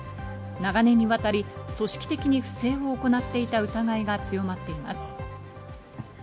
長年にわたり組織的に不正を行っていた疑いが強まっています。